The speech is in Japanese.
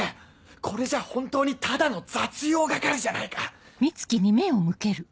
これじゃ本当にただの雑用係じゃないか！